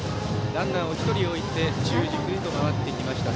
ランナーを１人置いて中軸へと回ってきました。